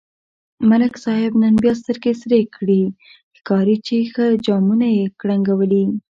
ملک صاحب نن بیا سترگې سرې کړي، ښکاري چې ښه جامونه یې کړنگولي.